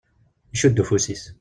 Icudd ufus-is.